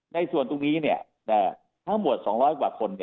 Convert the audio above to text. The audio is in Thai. ในส่วนทุกนี้ครั้งหมดสองร้อยกว่าคน